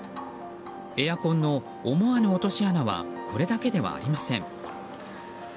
エアコンの思わぬ落とし穴はこれだけではありません。